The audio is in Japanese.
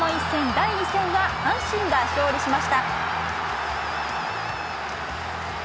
第２戦は阪神が勝利しました。